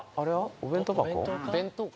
お弁当箱？